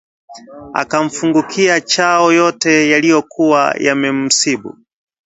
Akamfungukia Chao yote yaliyokuwa yamemsibu